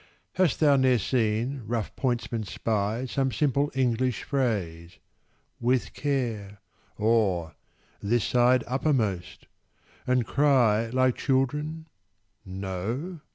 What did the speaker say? Hast thou ne'er seen rough pointsmen spy Some simple English phrase—"With care" Or "This side uppermost"—and cry Like children? No?